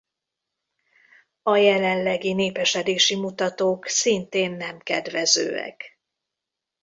A jelenlegi népesedési mutatók szintén nem kedvezőek.